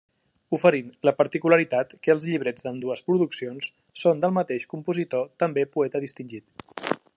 Oferint la particularitat que els llibrets d'ambdues produccions són del mateix compositor també poeta distingit.